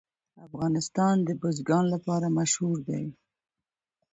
افغانستان د بزګان لپاره مشهور دی.